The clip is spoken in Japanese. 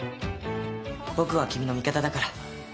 僕は君の味方だから。